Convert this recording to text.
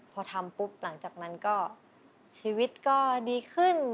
พอทำปุ๊บหลังจากนั้นก็ชีวิตก็ดีขึ้น